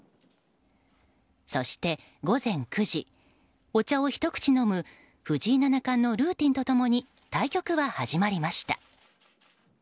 そして、午前９時お茶をひと口飲む藤井七冠のルーティンと共に対局は始まりました。